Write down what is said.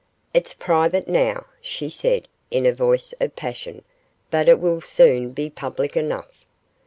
'It's private now,' she said, in a voice of passion, 'but it will soon be public enough.